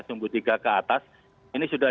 sumbu tiga ke atas ini sudah